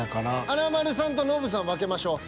華丸さんとノブさん分けましょう。